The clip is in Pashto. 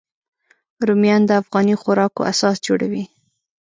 رومیان د افغاني خوراکو اساس جوړوي